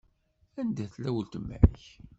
Anda tella weltma-k?